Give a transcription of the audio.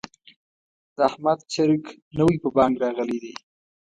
د احمد چرګ نوی په بانګ راغلی دی.